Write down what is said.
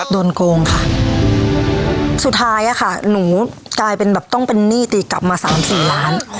โดนโกงค่ะสุดท้ายอะค่ะหนูกลายเป็นแบบต้องเป็นหนี้ตีกลับมาสามสี่ล้าน